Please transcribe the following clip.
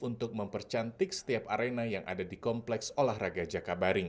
untuk mempercantik setiap arena yang ada di kompleks olahraga jakabaring